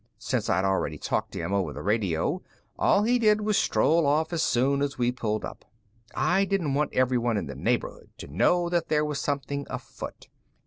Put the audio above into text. Since I'd already talked to him over the radio, all he did was stroll off as soon as we pulled up. I didn't want everyone in the neighborhood to know that there was something afoot.